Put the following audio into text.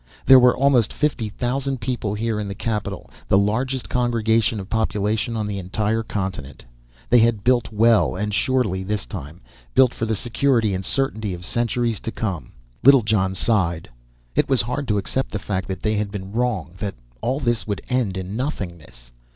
There were almost fifty thousand people here in the capital; the largest congregation of population on the entire continent. They had built well and surely this time, built for the security and certainty of centuries to come. Littlejohn sighed. It was hard to accept the fact that they had been wrong; that all this would end in nothingness.